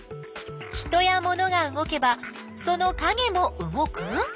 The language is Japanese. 人やモノが動けばそのかげも動く？